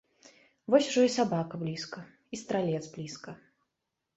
Вось ужо і сабака блізка, і стралец блізка.